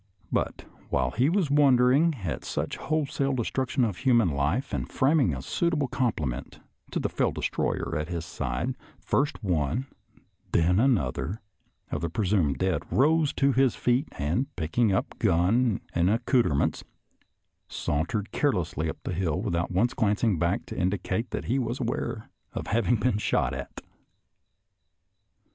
But while he was wondering at such wholesale de struction of human life and framing a suitable compliment to the fell destroyer at his side, first one and then another of the presumed dead rose to his feet, and, picking up gun and accouter ments, sauntered carelessly up the hill without once glancing behind to indicate that he was aware of having been shot at.